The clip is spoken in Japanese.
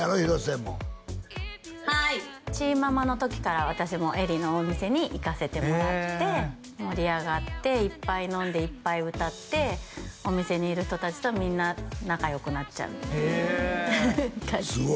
広末もはいチーママの時から私も絵梨のお店に行かせてもらって盛り上がっていっぱい飲んでいっぱい歌ってお店にいる人達とみんな仲良くなっちゃうっていう感じです